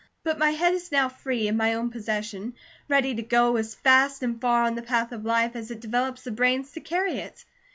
But my head is now free, in my own possession, ready to go as fast and far on the path of life as it develops the brains to carry it.